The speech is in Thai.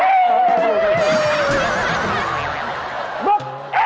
โอ้โหโอ้โหโอ้โห